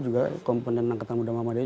juga komponen angkatan mudah mahamadaya